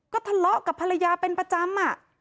ก็ทะเลาะกับภรรยาเป็นประจำ